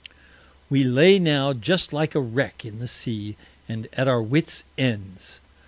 We lay now just like a Wreck in the Sea, and at our Wits Ends.